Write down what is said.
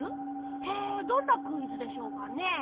へえどんなクイズでしょうかね？